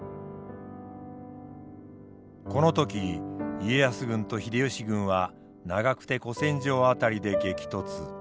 この時家康軍と秀吉軍は長久手古戦場辺りで激突。